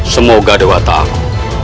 semoga dewat aku